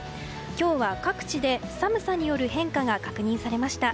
今日は各地で寒さによる変化が確認されました。